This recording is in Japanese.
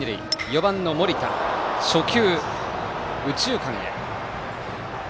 ４番の森田初球、右中間へ。